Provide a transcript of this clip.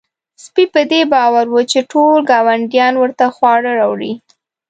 سپی په دې باور و چې ټول ګاونډیان ورته خواړه راوړي.